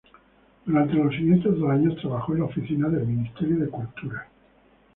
Durante los siguientes dos años, trabajó en la oficina del Ministro de Cultura.